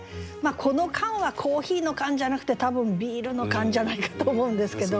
この「缶」はコーヒーの缶じゃなくて多分ビールの缶じゃないかと思うんですけど。